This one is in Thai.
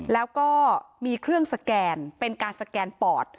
แล้วก็มีเครื่องสแกนเป็นการสแกนปอด